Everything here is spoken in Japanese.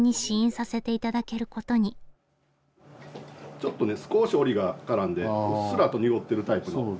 ちょっとね少しオリが絡んでうっすらと濁ってるタイプの。